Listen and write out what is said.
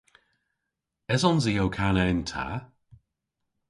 Esons i ow kana yn ta?